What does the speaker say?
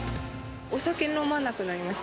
お酒飲まなくなりました。